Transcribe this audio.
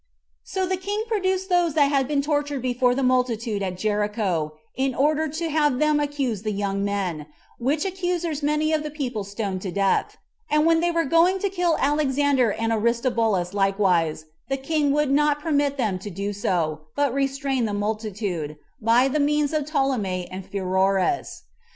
5. So the king produced those that had been tortured before the multitude at Jericho, in order to have them accuse the young men, which accusers many of the people stoned to death; and when they were going to kill Alexander and Aristobulus likewise, the king would not permit them to do so, but restrained the multitude, by the means of Ptolemy and Pheroras.